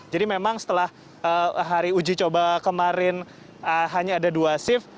jadi memang setelah hari uji coba kemarin hanya ada dua shift